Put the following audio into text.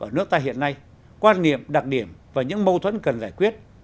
ở nước ta hiện nay quan niệm đặc điểm và những mâu thuẫn cần giải quyết